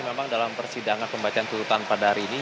memang dalam persidangan pembacaan tuntutan pada hari ini